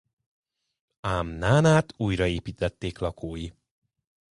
Ám Nánát újraépítették lakói.